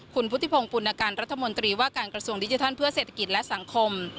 คุณพุทธิพงศ์ปุณการรัฐมนตรีว่าการกระทรวงดิจิทัลเพื่อเศรษฐกิจและสังคม